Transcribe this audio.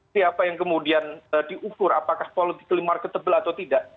siapa yang kemudian diukur apakah politik di market tebal atau tidak